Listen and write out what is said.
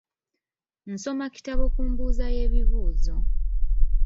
Nsoma kitabo ku mbuuza y'ebibuuzo.